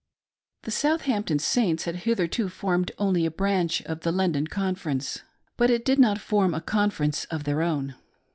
The Southampton Saints had hitherto formed only a branch of the London Conference, but did not form a conference of their own.